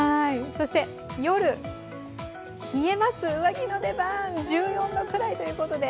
そして夜、冷えます、上着の出番、１４度くらいということで。